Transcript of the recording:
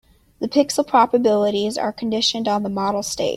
The pixel probabilities are conditioned on the model state.